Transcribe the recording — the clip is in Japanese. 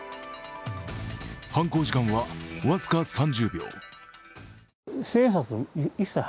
犯行時間は僅か３０秒。